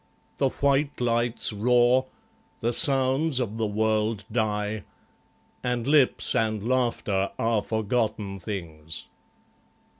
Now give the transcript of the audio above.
The white lights roar. The sounds of the world die. And lips and laughter are forgotten things.